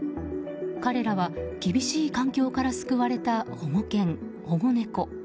彼らは厳しい環境から救われた保護犬、保護猫。